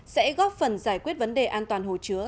sẽ góp phần giải quyết vấn đề an toàn hồ chứa